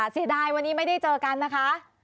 เสียดายวันนี้ไม่ได้เจอกันนะคะ